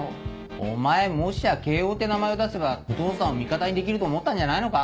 お前もしや慶應って名前を出せばお義父さんを味方にできると思ったんじゃないのか？